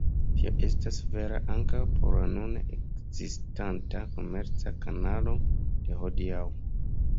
Tio estas vera ankaŭ por la nune ekzistanta komerca kanalo de hodiaŭ.